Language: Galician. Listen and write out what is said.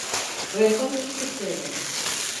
Reencontros que chegan.